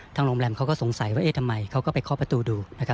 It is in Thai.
โรงแรมเขาก็สงสัยว่าเอ๊ะทำไมเขาก็ไปเคาะประตูดู